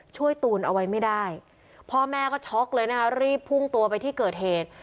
ตูนเอาไว้ไม่ได้พ่อแม่ก็ช็อกเลยนะคะรีบพุ่งตัวไปที่เกิดเหตุ